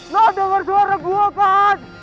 lo denger suara gue pak